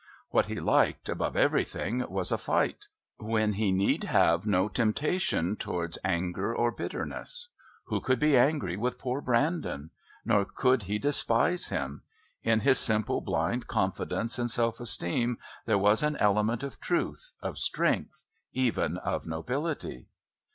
What he liked, above everything, was a fight, when he need have no temptation towards anger or bitterness. Who could be angry with poor Brandon? Nor could he despise him. In his simple blind confidence and self esteem there was an element of truth, of strength, even of nobility.